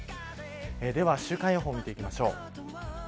では週間予報を見ていきましょう。